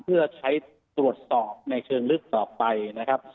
เพื่อใช้ตรวจสอบในเชิงลึกต่อไปนะครับ